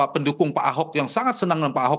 pendukung pak ahok yang sangat senang dengan pak ahok